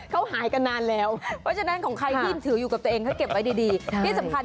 เขาหายกันมาตั้งแต่ปี๒ปีก่อน